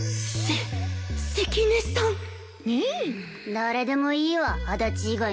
誰でもいいわ足立以外なら。